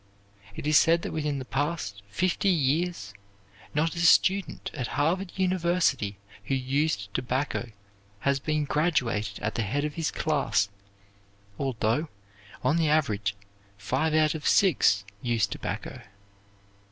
It is said that within the past fifty years not a student at Harvard University who used tobacco has been graduated at the head of his class, although, on the average, five out of six use tobacco.